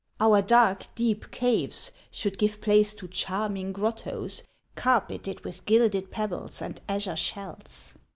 Our dark, deep caves should give place to charming grottos carpeted with gilded pebbles and azure shells.